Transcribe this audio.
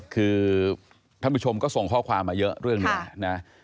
คือท่านผู้ชมก็ส่งข้อความมาเยอะเรื่องนี้นะ